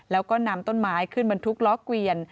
แล้วก็นำต้นไม้ขึ้นบรรทุกล้อเกวียน